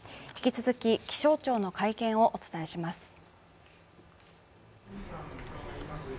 引き続き、気象庁の会見をお伝えします。